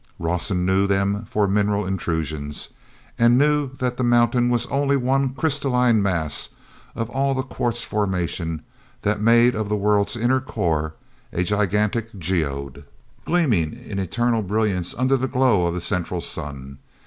Rawson knew them for mineral intrusions, and knew that the mountain was only one crystalline mass of all the quartz formation that made of the world's inner core a gigantic geode, gleaming in eternal brilliance under the glow of the central sun.